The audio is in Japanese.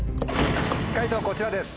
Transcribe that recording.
解答こちらです。